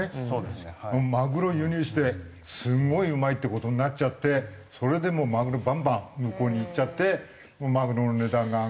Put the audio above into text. マグロを輸入してすごいうまいっていう事になっちゃってそれでもうマグロバンバン向こうにいっちゃってマグロの値段が上がって。